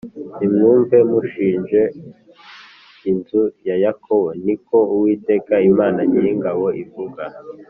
Nimwumve, mushinje inzu ya Yakobo.” Ni ko Uwiteka Imana Nyiringabo ivuga.